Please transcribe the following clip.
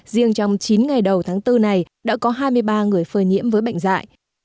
riêng trong chín ngày đầu tháng bốn này đã có hai mươi ba người phơi nhiễm với bệnh dại